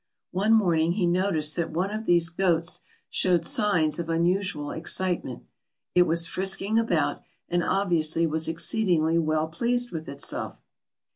One morning he noticed that one of these goats showed signs of unusual excitement. It was frisking about, and obviously was exceedingly well pleased with itself.